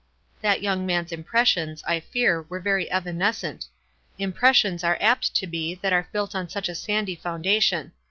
That young man's impressions, I fear, were very evanescent — impressions are apt to be that are built on such a sandy,, foundation.